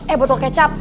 eh botol kecap